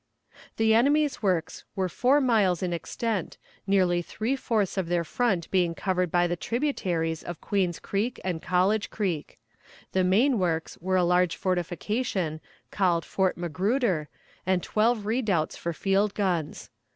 The enemy's works were four miles in extent, nearly three fourths of their front being covered by the tributaries of Queen's Creek and College Creek. The main works were a large fortification, called Fort Magruder, and twelve redoubts for field guns.